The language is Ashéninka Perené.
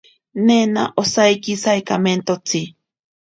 Nena osaiki saikamentotsi.